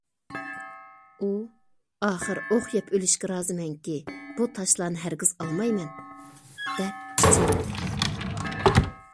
ئۇ ئاخىر ئوق يەپ ئۆلۈشكە رازىمەنكى بۇ تاشلارنى ھەرگىز ئالمايمەن، دەپ پىچىرلىدى.